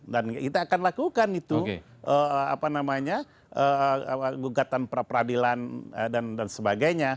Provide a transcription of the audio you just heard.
dan kita akan lakukan itu apa namanya gugatan pra peradilan dan sebagainya